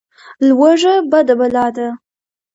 لوږه بده بلا ده.